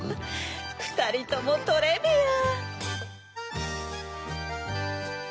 ふたりともトレビアン！